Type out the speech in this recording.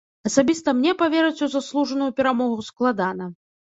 Асабіста мне паверыць у заслужаную перамогу складана.